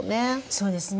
そうですね。